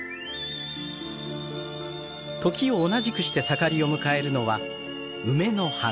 時を同じくして盛りを迎えるのは梅の花。